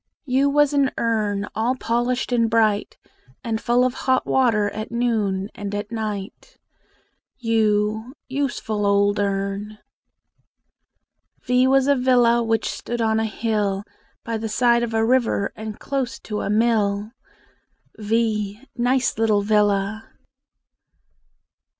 U was an urn All polished and bright, And full of hot water At noon and at night. u Useful old urn! V was a villa Which stood on a hill, By the side of a river, And close to a mill. v Nice little villa!